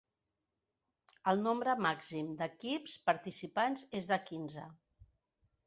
El nombre màxim d’equips participants és de quinze.